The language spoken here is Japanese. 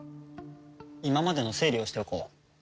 今までの整理をしておこう。